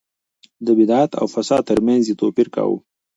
د بدعت او فساد ترمنځ يې توپير کاوه.